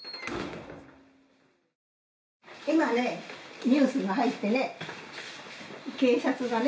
今ねニュースが入ってね検察がね